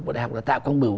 bộ đại học là tạ công bửu